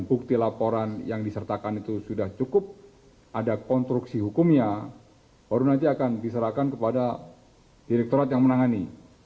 bukti laporan yang disertakan itu sudah cukup ada konstruksi hukumnya baru nanti akan diserahkan kepada direkturat yang menangani